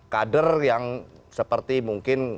kader yang seperti mungkin